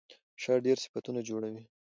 شا ډېر صفتونه جوړوي.